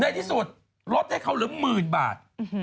ในที่สุดลดให้เขาหรือหมื่นบาท